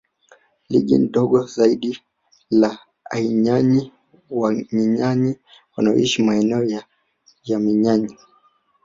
Lile dogo zaidi la AnyiÅanyi Wanyinganyi wanaoishi maeneo ya Mnyinganyi